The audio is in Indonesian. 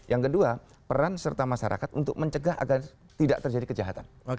yang kedua peran serta masyarakat untuk mencegah agar tidak terjadi kejahatan